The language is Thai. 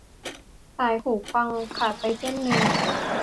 สายหูฟังขาดไปเส้นนึง :'